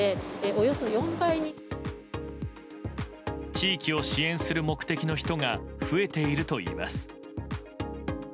地域を支援する目的の人が増えているといいます。